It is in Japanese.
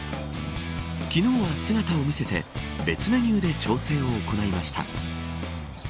昨日は姿を見せて別メニューで調整を行いました。